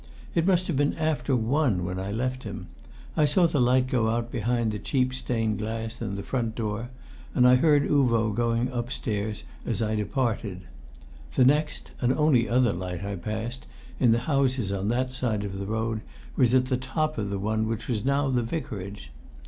It must have been after one when I left him. I saw the light go out behind the cheap stained glass in the front door, and I heard Uvo going upstairs as I departed. The next and only other light I passed, in the houses on that side of the road, was at the top of the one which was now the Vicarage.